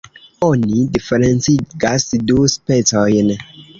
Oni diferencigas du specojn.